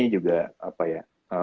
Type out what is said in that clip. juga apa ya